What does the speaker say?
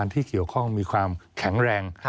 ที่เกี่ยวข้องมีความแข็งแรง